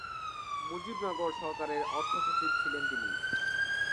মুজিবনগর সরকারের অর্থ সচিব ছিলেন তিনি।